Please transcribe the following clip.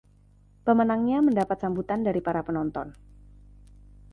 Pemenangnya mendapat sambutan dari para penonton.